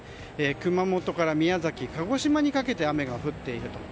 熊本から宮崎、鹿児島にかけて雨が降っていると。